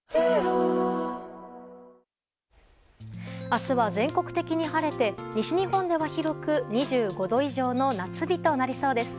明日は全国的に晴れて西日本では、広く２５度以上の夏日となりそうです。